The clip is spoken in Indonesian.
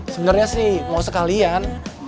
sebenarnya sih mau sekalian